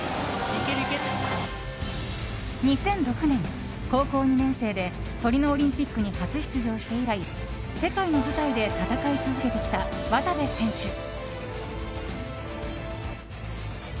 ２００６年、高校２年生でトリノオリンピックに初出場して以来世界の舞台で戦い続けてきた渡部選手。